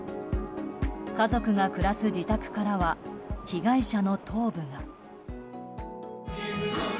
家族が暮らす自宅からは被害者の頭部が。